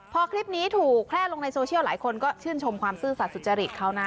พอคลิปนี้ถูกแคล่ะลงในหลายคนก็ชื่นชมความซื่อสัสจริงเขาน่ะ